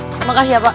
terima kasih ya pak